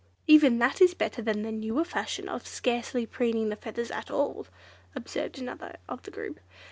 "Even that is better than the newer fashion of scarcely preening the feathers at all," observed another of the group.